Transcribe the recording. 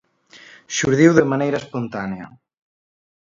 Xurdiu de maneira espontánea.